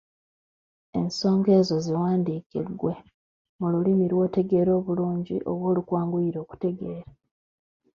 Ensonga ezo ziwandiike ggwe mu lulimi lw'otegeera obulungi oba olukwanguyira okutegeera.